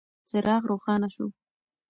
څراغ روښانه شو.